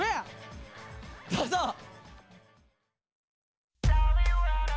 どうぞ！